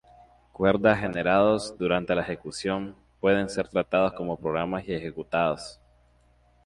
Cuerdas generados durante la ejecución pueden ser tratados como programas y ejecutados.